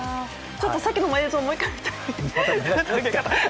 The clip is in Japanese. さっきの映像もう一回見たい